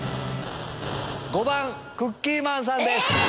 ５番クッキーマンさんです！